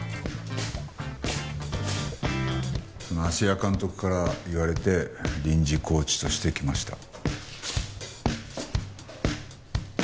芦屋監督から言われて臨時コーチとして来ました。